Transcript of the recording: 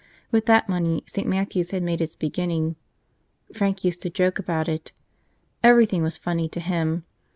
With that money, St. Matthew's had made its beginning. Frank used to joke about it. Everything was funny to him.